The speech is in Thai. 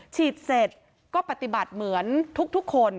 ฉีดเสร็จก็ปฏิบัติเหมือนทุกคน